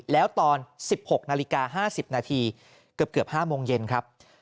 แล้วตอน๑๖นาฬิกา๕๐นาทีเกือบ๕โมงเย็นครับ